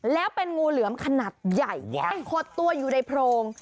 แล้วเป็นงูเหลือมขนาดใหญ่ขดตัวอยู่ในโพรง